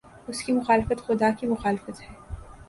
اس کی مخالفت خدا کی مخالفت ہے۔